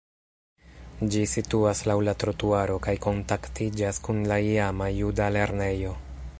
Ĝi situas laŭ la trotuaro kaj kontaktiĝas kun la iama juda lernejo.